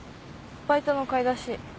バイトの買い出し。